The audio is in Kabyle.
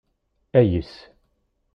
Ayes.